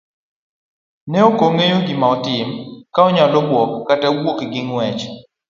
Nokong'eyo gima otim, kaonyalo buok kata wuok gi ng'uech.